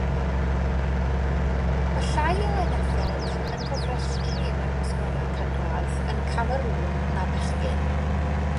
Mae llai o enethod yn cofrestru mewn ysgolion cynradd yn Cameroon na bechgyn.